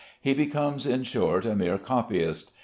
He becomes, in short, a mere copyist.